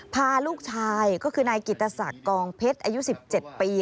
พาลูกชายก็คือนายกิตศักดิ์กองเพชรอายุ๑๗ปี